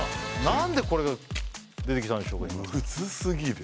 何でこれが出てきたんでしょうか？